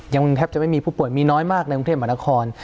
ยังแทบจะไม่มีผู้ป่วยมีน้อยมากในวงเทศมนาคม